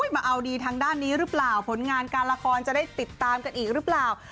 มาเอาดีทางด้านนี้หรือเปล่าผลงานการละครจะได้ติดตามกันอีกหรือเปล่า